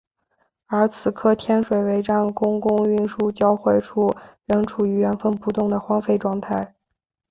而此刻天水围站公共运输交汇处仍处于原封不动的荒废状态。